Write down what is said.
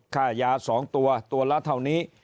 ค่ายา๒ตัวตัวละเท่านี้